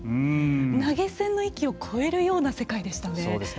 投げ銭の域を超えるような世界でしたね。